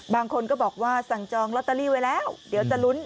บางคนก็บอกว่าสั่งจองลอตเตอรี่ไว้แล้วเดี๋ยวจะลุ้น